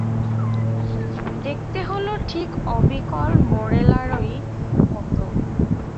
দেখতে হল ঠিক অবিকল মোরেলারই মতো।